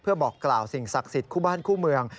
เพื่อบอกกล่าวสิ่งศักดิ์สิทธิ์คู่บ้านคู่เมือง